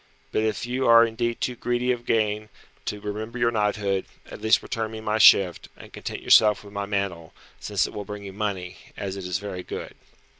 But if you are indeed too greedy of gain to remember your knighthood, at least return me my shift, and content yourself with my mantle, since it will bring you money, as it is very good."